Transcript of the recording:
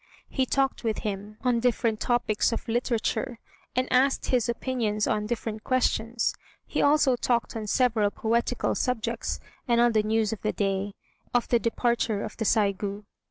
He talked with him on different topics of literature, and asked his opinions on different questions. He also talked on several poetical subjects, and on the news of the day of the departure of the Saigû.